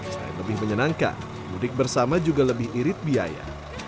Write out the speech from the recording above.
selain lebih menyenangkan mudik bersama juga lebih irit biaya